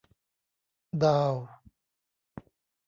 ดาวน์